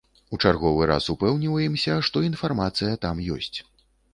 У чарговы раз упэўніваемся, што інфармацыя там ёсць.